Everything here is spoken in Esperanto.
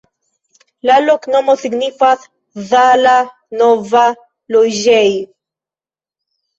La loknomo signifas: Zala-nova-loĝej'.